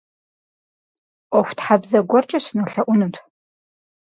Ӏуэхутхьэбзэ гуэркӏэ сынолъэӏунут.